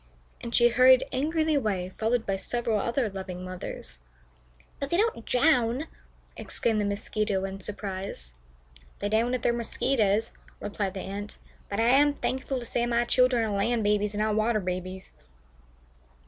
and she hurried angrily away, followed by several other loving mothers. "But they don't drown," exclaimed the Mosquito, in surprise. "They don't if they're Mosquitoes," replied the Ant, "but I am thankful to say my children are land babies and not water babies."